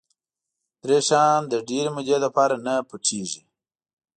درې شیان د ډېرې مودې لپاره نه پټ کېږي.